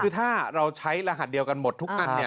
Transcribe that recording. คือถ้าเราใช้รหัสเดียวกันหมดทุกอัน